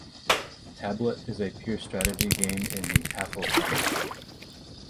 "Tablut" is a pure strategy game in the tafl family.